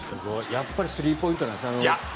やっぱりスリーポイントなんですね。